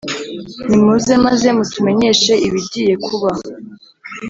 Nimuze maze mutumenyeshe ibigiye kuba.